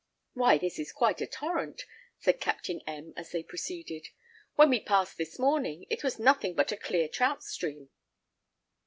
"Why this is quite a torrent," said Captain M , as they proceeded. "When we passed this morning it was nothing but a clear trout stream."